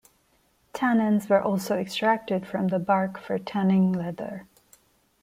Tannins were also extracted from the bark for tanning leather.